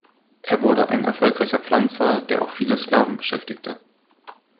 Er wurde ein erfolgreicher Pflanzer, der auch viele Sklaven beschäftigte.